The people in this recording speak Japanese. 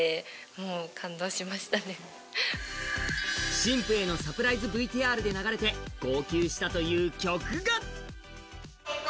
新婦へのサプライズＶＴＲで流れて号泣したという曲が結婚